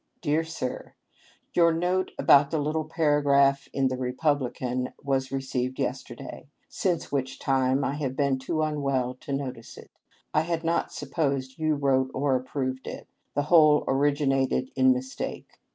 "Dear Sir: — Your note about the little para graph in the Republican was received yesterday, since which time I have been too unwell to notice it. I had not supposed you wrote or approved it. The whole originated in mistake.